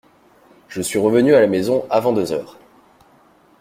Je suis revenu à la maison avant deux heures.